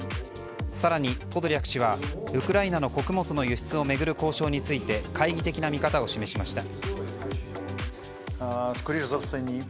更に、ポドリャク氏はウクライナの穀物の輸出を巡る交渉について懐疑的な見方を示しました。